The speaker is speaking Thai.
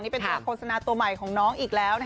นี้เป็นคนสนาตัวใหม่ของน้องอีกแล้ว